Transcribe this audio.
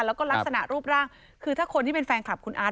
แล้วก็ลักษณะรูปร่างคือถ้าคนที่เป็นแฟนคลับคุณอาร์ต